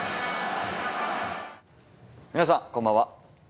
皆さん、こんばんは。